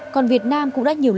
còn việt nam cũng đã nhiều lần